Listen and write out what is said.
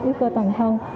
yếu cơ toàn thân